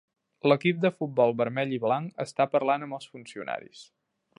L'equip de futbol vermell i blanc està parlant amb els funcionaris.